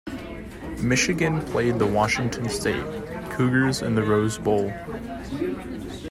Michigan played the Washington State Cougars in the Rose Bowl.